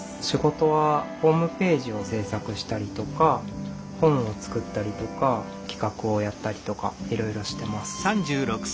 仕事はホームページを制作したりとか本を作ったりとか企画をやったりとかいろいろしてます。